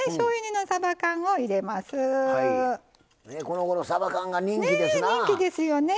このごろさば缶が人気ですな。